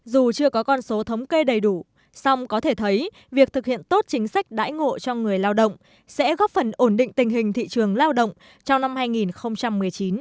dù chưa có con số thống kê đầy đủ song có thể thấy việc thực hiện tốt chính sách đãi ngộ cho người lao động sẽ góp phần ổn định tình hình thị trường lao động trong năm hai nghìn một mươi chín